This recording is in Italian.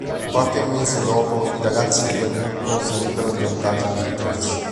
Qualche mese dopo i ragazzi di quel gruppo sarebbero diventati i Beatles.